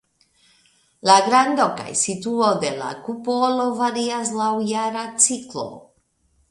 La grando kaj situo de la kupolo varias laŭ jara ciklo.